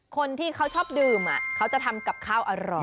คนที่เขาชอบดื่มเขาจะทำกับข้าวอร่อย